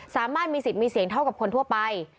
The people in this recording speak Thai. สามารถมีสิทธิ์มีเสียงเท่ากับคนทั่วไป